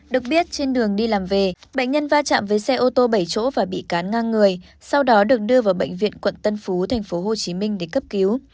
được biết trên đường đi làm về bệnh nhân va chạm với xe ô tô bảy chỗ và bị cán ngang người sau đó được đưa vào bệnh viện quận tân phú tp hcm để cấp cứu